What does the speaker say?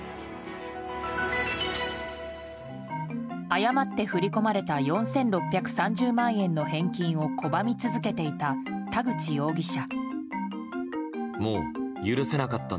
誤って振り込まれた４６３０万円の返金を拒み続けていた、田口容疑者。